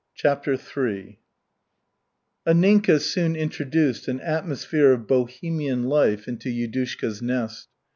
CHAPTER III Anninka soon introduced an atmosphere of Bohemian life into Yudushka's nest.